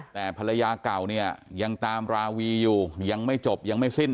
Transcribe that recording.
แต่ภรรยาเก่าเนี่ยยังตามราวีอยู่ยังไม่จบยังไม่สิ้น